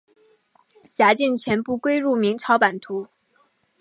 辖境全部归入明朝版图。